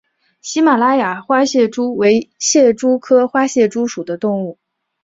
喜马拉雅花蟹蛛为蟹蛛科花蟹蛛属的动物。